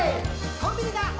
「コンビニだ！